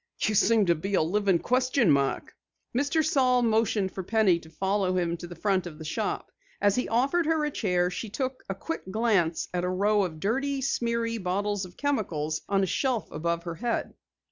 You seem to be a living question mark." Mr. Saal motioned for Penny to follow him to the front of the shop. As he offered her a chair she took a quick glance at a row of dirty, smeary bottles of chemicals on a shelf above her head.